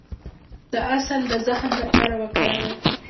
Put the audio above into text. د عسل د زخم لپاره وکاروئ